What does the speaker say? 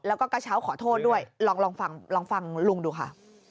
แล้วก็กระเช้าขอโทษด้วยลองฟังลองฟังลุงดูค่ะ